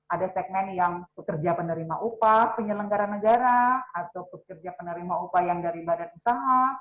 ada segmen yang pekerja penerima upah penyelenggara negara atau pekerja penerima upah yang dari badan usaha